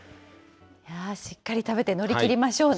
しっかり食べて乗り切りましょうね。